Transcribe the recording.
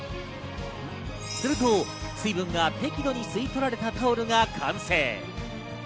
すると、水分が適度に吸い取られたタオルが完成。